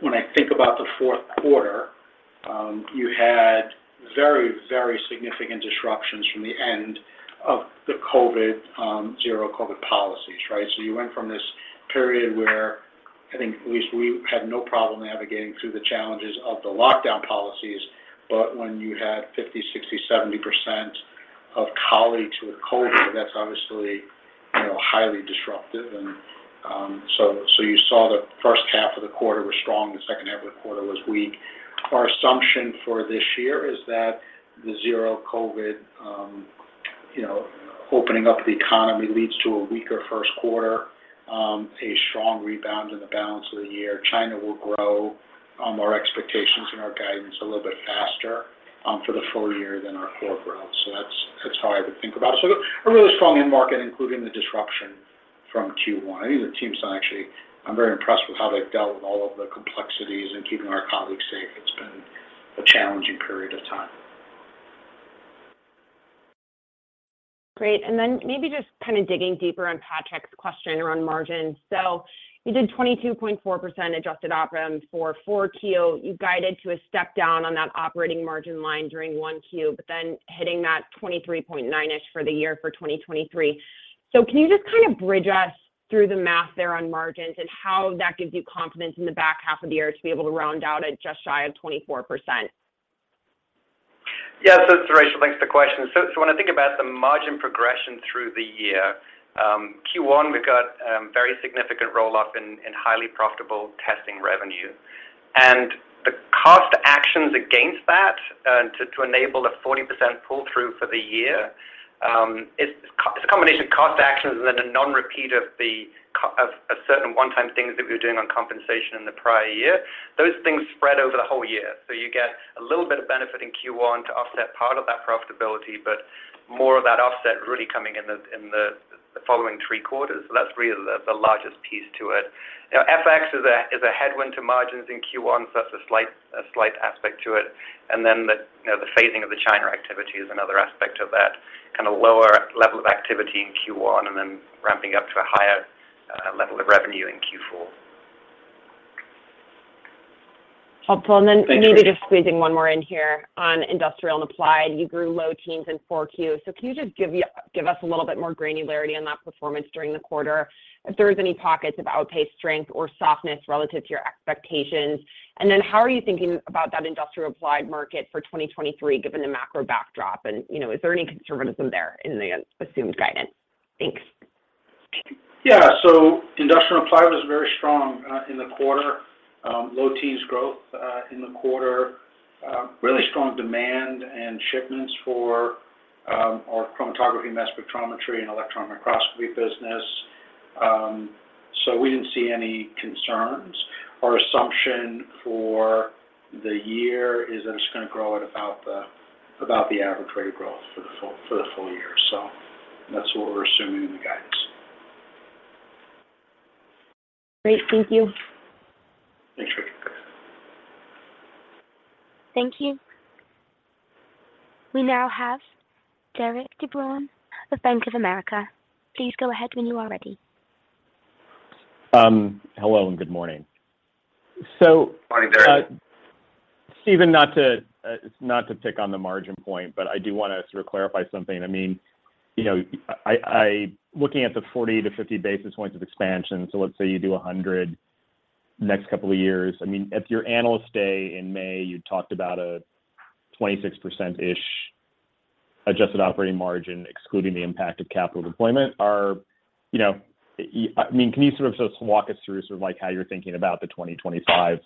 When I think about the fourth quarter, you had very significant disruptions from the end of the COVID, zero COVID policies, right? You went from this period where I think at least we had no problem navigating through the challenges of the lockdown policies. When you had 50%, 60%, 70% of colleagues with COVID, that's obviously, you know, highly disruptive. You saw the first half of the quarter was strong, the second half of the quarter was weak. Our assumption for this year is that the zero COVID, you know, opening up the economy leads to a weaker first quarter, a strong rebound in the balance of the year. China will grow our expectations and our guidance a little bit faster for the full year than our core growth. That's how I would think about it. A really strong end market, including the disruption from Q1. I think the team's done actually. I'm very impressed with how they've dealt with all of the complexities and keeping our colleagues safe. It's been a challenging period of time. Great. Maybe just kind of digging deeper on Patrick's question around margins. You did 22.4% adjusted operating for 4Q. You guided to a step down on that operating margin line during 1Q, but then hitting that 23.9%-ish for the year for 2023. Can you just kind of bridge us through the math there on margins and how that gives you confidence in the back half of the year to be able to round out at just shy of 24%? Rachel, thanks for the question. When I think about the margin progression through the year, Q1, we've got very significant roll off in highly profitable testing revenue. The cost actions against that, to enable a 40% pull through for the year, it's a combination of cost actions and then a non-repeat of certain one time things that we were doing on compensation in the prior year. Those things spread over the whole year. You get a little bit of benefit in Q1 to offset part of that profitability, but more of that offset really coming in the following three quarters. That's really the largest piece to it. Now, FX is a, is a headwind to margins in Q1, so that's a slight, a slight aspect to it. The, you know, the phasing of the China activity is another aspect of that kind of lower level of activity in Q1 and then ramping up to a higher level of revenue in Q4. Helpful. Thanks, Rachel. Maybe just squeezing one more in here on industrial and applied. You grew low teens in 4Q. Can you just give us a little bit more granularity on that performance during the quarter, if there was any pockets of outpaced strength or softness relative to your expectations? How are you thinking about that industrial applied market for 2023, given the macro backdrop? You know, is there any conservatism there in the assumed guidance? Thanks. Industrial applied was very strong in the quarter. Low teens growth in the quarter. Really strong demand and shipments for our chromatography, mass spectrometry and electron microscopy business. We didn't see any concerns. Our assumption for the year is that it's gonna grow at about the average rate of growth for the full year. That's what we're assuming in the guidance. Great. Thank you. Thanks, Rachel. Thank you. We now have Derik De Bruin of Bank of America. Please go ahead when you are ready. Hello and good morning. Morning, Derik. Stephen, not to, not to pick on the margin point, but I do wanna sort of clarify something. I mean, you know, I looking at the 40-50 basis points of expansion. Let's say you do 100 next couple of years. I mean, at your Analyst Day in May, you talked about a 26%-ish adjusted operating margin, excluding the impact of capital deployment. You know, I mean, can you sort of just walk us through sort of like how you're thinking about the 2025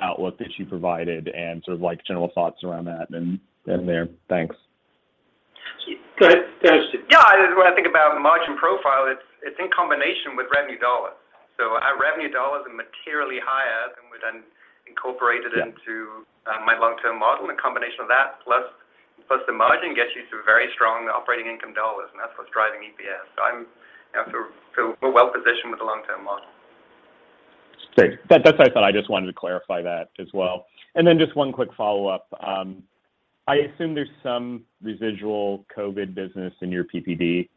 outlook that you provided and sort of like general thoughts around that and, in there? Thanks. Go ahead. Go ahead, Stephen. Yeah. When I think about margin profile, it's in combination with revenue dollars. Our revenue dollars are materially higher than we then incorporated into my long-term model. A combination of that plus the margin gets you to very strong operating income dollars, and that's what's driving EPS. I'm, you know, feel we're well positioned with the long-term model. Great. That's what I thought. I just wanted to clarify that as well. just one quick follow-up, I assume there's some residual COVID business in your PPD.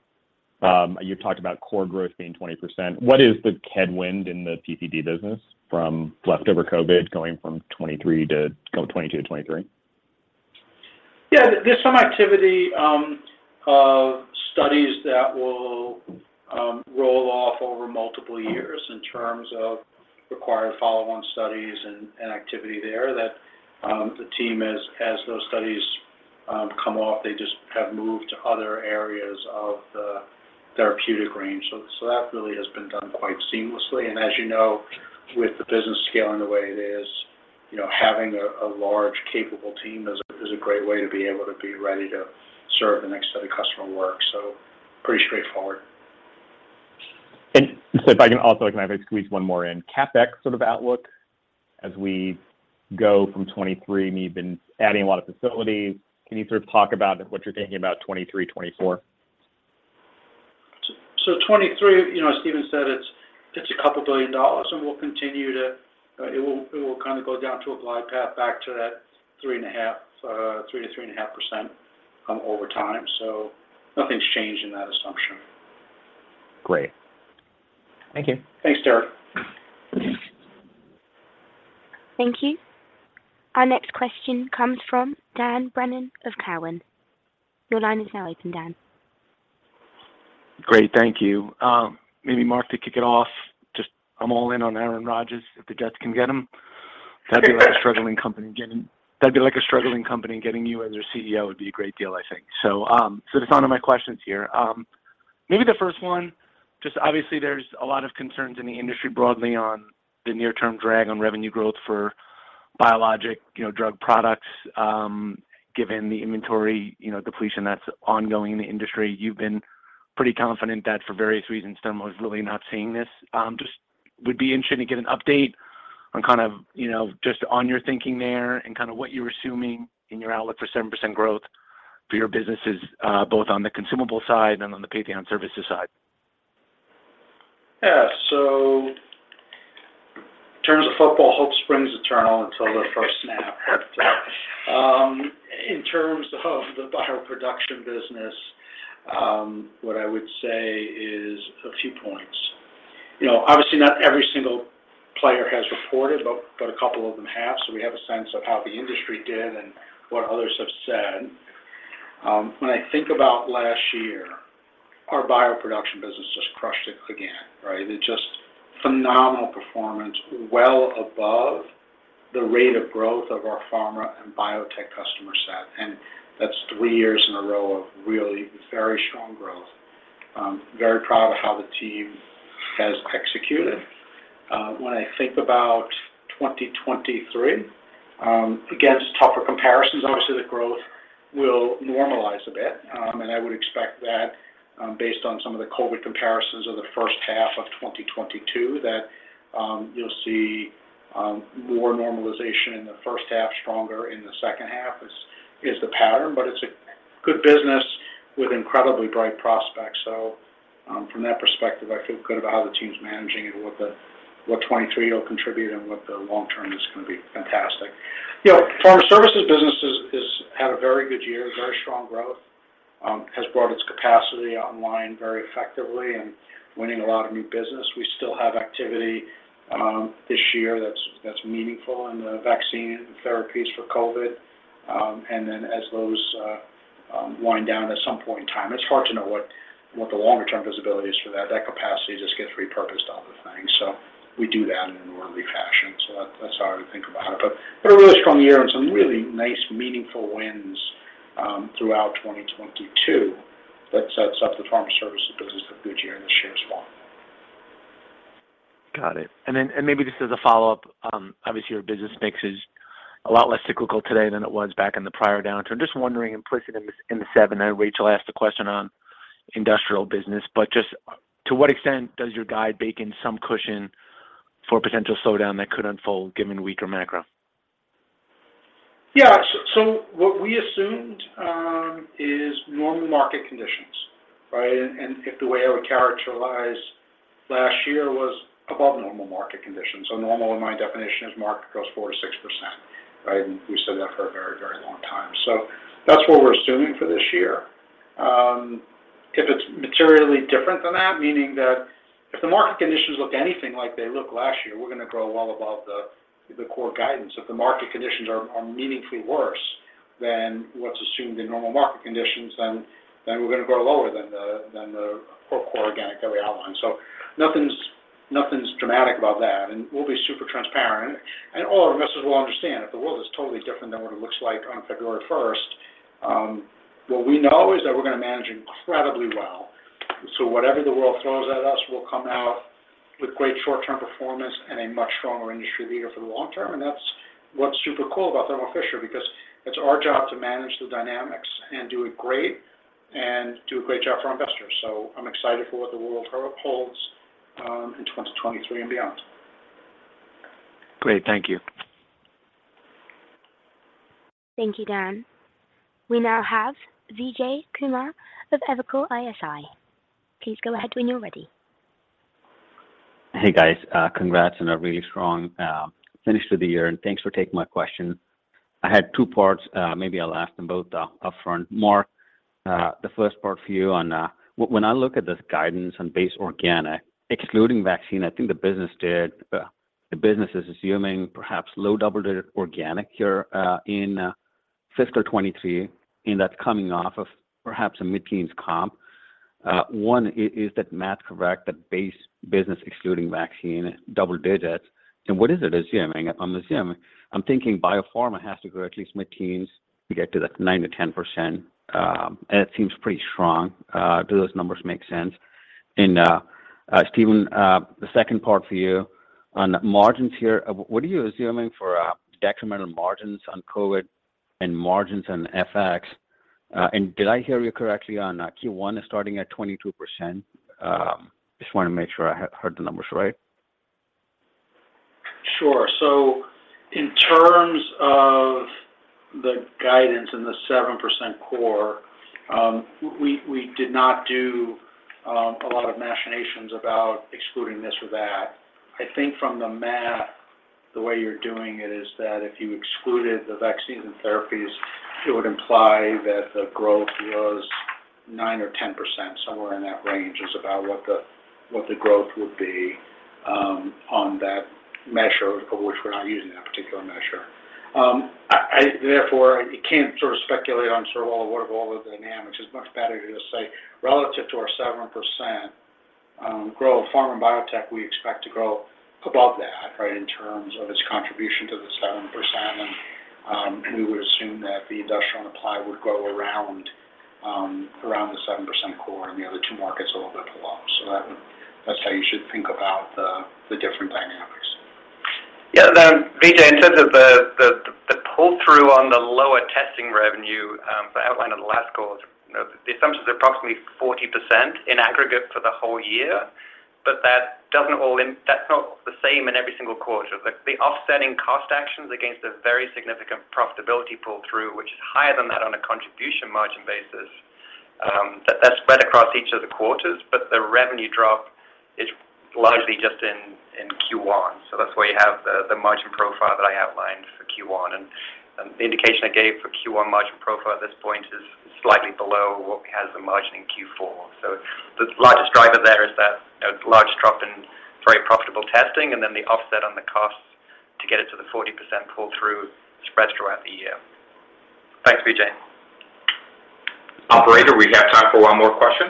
You've talked about core growth being 20%. What is the headwind in the PPD business from leftover COVID going from 2022 to 2023? There's some activity of studies that will roll off over multiple years in terms of required follow-on studies and activity there that the team as those studies come off, they just have moved to other areas of the therapeutic range. That really has been done quite seamlessly. As you know, with the business scaling the way it is, you know, having a large capable team is a great way to be able to be ready to serve the next set of customer work. Pretty straightforward. If I can squeeze one more in? CapEx sort of outlook as we go from 2023, and you've been adding a lot of facilities, can you sort of talk about what you're thinking about 2023, 2024? 2023, you know, as Stephen said, it's a couple billion dollars. It will kind of go down to a glide path back to that 3%-3.5% over time. Nothing's changed in that assumption. Great. Thank you. Thanks, Derik. Thank you. Our next question comes from Dan Brennan of Cowen. Your line is now open, Dan. Great. Thank you. Maybe Marc, to kick it off, just I'm all in on Aaron Rodgers if the Jets can get him. That'd be like a struggling company and getting you as their CEO would be a great deal, I think. To some of my questions here. Maybe the first one, just obviously, there's a lot of concerns in the industry broadly on the near term drag on revenue growth for biologic, you know, drug products, given the inventory, you know, depletion that's ongoing in the industry. You've been pretty confident that for various reasons, Thermo is really not seeing this. Just would be interested to get an update on kind of, you know, just on your thinking there and kind of what you're assuming in your outlook for 7% growth for your businesses, both on the consumable side and on the Patheon services side. In terms of football, hope springs eternal until the first snap. In terms of the bioproduction business, what I would say is a few points. You know, obviously, not every single player has reported, but a couple of them have. We have a sense of how the industry did and what others have said. When I think about last year, our bioproduction business just crushed it again, right? It just phenomenal performance, well above the rate of growth of our pharma and biotech customer set, and that's three years in a row of really very strong growth. Very proud of how the team has executed. When I think about 2023, against tougher comparisons, obviously, the growth will normalize a bit. I would expect that, based on some of the COVID comparisons of the first half of 2022, that you'll see more normalization in the first half, stronger in the second half is the pattern. It's a good business with incredibly bright prospects. From that perspective, I feel good about how the team's managing it and what 2023 will contribute and what the long-term is going to be. Fantastic. You know, pharma services business is had a very good year, very strong growth. Has brought its capacity online very effectively and winning a lot of new business. We still have activity this year that's meaningful in the vaccine and therapies for COVID. As those wind down at some point in time, it's hard to know what the longer term visibility is for that. That capacity just gets repurposed on the thing. We do that in an orderly fashion. That's how I would think about it. A really strong year and some really nice meaningful wins throughout 2022 that sets up the pharma services business for a good year and the shares one. Got it. Maybe just as a follow-up, obviously, your business mix is a lot less cyclical today than it was back in the prior downturn. Just wondering, implicit in the seven, I know Rachel asked a question on industrial business, but just to what extent does your guide bake in some cushion for potential slowdown that could unfold given weaker macro? What we assumed is normal market conditions, right? If the way I would characterize last year was above normal market conditions. Normal in my definition is market grows 4%-6%, right? We said that for a very, very long time. That's what we're assuming for this year. If it's materially different than that, meaning that if the market conditions look anything like they looked last year, we're going to grow well above the core guidance. If the market conditions are meaningfully worse than what's assumed in normal market conditions, we're going to grow lower than the core organic that we outlined. Nothing's dramatic about that, and we'll be super transparent. All our investors will understand if the world is totally different than what it looks like on February 1st, what we know is that we're going to manage incredibly well. Whatever the world throws at us, we'll come out with great short term performance and a much stronger industry leader for the long term. That's what's super cool about Thermo Fisher because it's our job to manage the dynamics and do it great and do a great job for our investors. I'm excited for what the world holds in 2023 and beyond. Great. Thank you. Thank you, Dan. We now have Vijay Kumar of Evercore ISI. Please go ahead when you're ready. Hey guys, congrats on a really strong finish to the year, thanks for taking my question. I had two parts, maybe I'll ask them both upfront. Marc, the first part for you on when I look at this guidance on base organic, excluding vaccine, the business is assuming perhaps low double-digit organic here in fiscal 2023, that's coming off of perhaps a mid-teens comp. One, is that math correct, that base business excluding vaccine, double digits? What is it assuming on the assume? I'm thinking biopharma has to grow at least mid-teens to get to that 9%-10%, it seems pretty strong. Do those numbers make sense? Stephen, the second part for you on margins here. What are you assuming for detrimental margins on COVID and margins on FX? Did I hear you correctly on Q1 starting at 22%? Just wanna make sure I heard the numbers right. Sure. In terms of the guidance and the 7% core, we did not do a lot of machinations about excluding this or that. I think from the math, the way you're doing it is that if you excluded the vaccines and therapies, it would imply that the growth was 9% or 10%. Somewhere in that range is about what the growth would be on that measure, of which we're not using that particular measure. I, therefore, you can't sort of speculate on sort of all of the dynamics. It's much better to just say relative to our 7% growth, pharma and biotech, we expect to grow above that, right, in terms of its contribution to the 7%. We would assume that the industrial and applied would grow around the 7% core and the other two markets a little bit below. That's how you should think about the different dynamics. Yeah. Vijay, in terms of the pull-through on the lower testing revenue, the outline of the last quarter, you know, the assumption is approximately 40% in aggregate for the whole year, but that's not the same in every single quarter. The offsetting cost actions against a very significant profitability pull-through, which is higher than that on a contribution margin basis, that's spread across each of the quarters, but the revenue drop is largely just in Q1. That's why you have the margin profile that I outlined for Q1. The indication I gave for Q1 margin profile at this point is slightly below what we had as the margin in Q4. The largest driver there is that, you know, large drop in very profitable testing and then the offset on the costs to get it to the 40% pull-through spread throughout the year. Thanks, Vijay. Operator, we have time for one more question.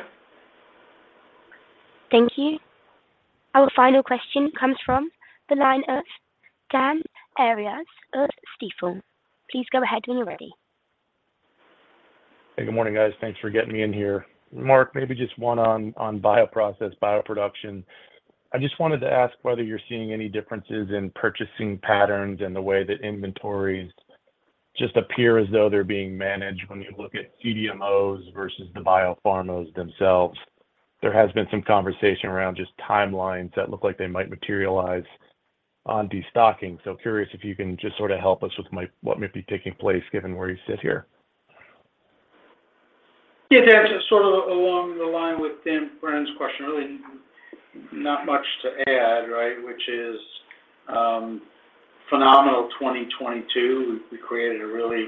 Thank you. Our final question comes from the line of Dan Arias of Stifel. Please go ahead when you're ready. Hey, good morning, guys. Thanks for getting me in here. Marc, maybe just one on bioprocess, bioproduction. I just wanted to ask whether you're seeing any differences in purchasing patterns and the way that inventories just appear as though they're being managed when you look at CDMOs versus the biopharmas themselves. There has been some conversation around just timelines that look like they might materialize on destocking. Curious if you can just sort of help us with what might be taking place given where you sit here. Yeah. That's sort of along the line with Dan Brennan's question, really not much to add, right? Is phenomenal 2022. We created a really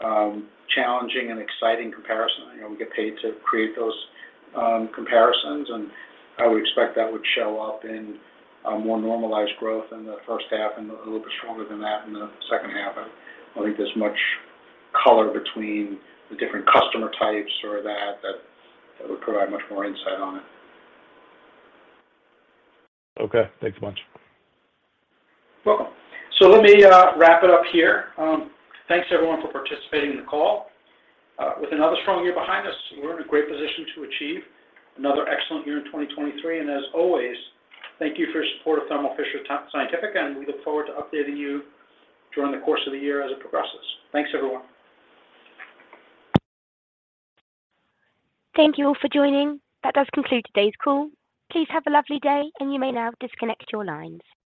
challenging and exciting comparison. You know, we get paid to create those comparisons. I would expect that would show up in a more normalized growth in the first half and a little bit stronger than that in the second half. I don't think there's much color between the different customer types or that would provide much more insight on it. Okay. Thanks a bunch. Welcome. Let me wrap it up here. Thanks everyone for participating in the call. With another strong year behind us, we're in a great position to achieve another excellent year in 2023. As always, thank you for your support of Thermo Fisher Scientific, and we look forward to updating you during the course of the year as it progresses. Thanks, everyone. Thank you all for joining. That does conclude today's call. Please have a lovely day, and you may now disconnect your lines.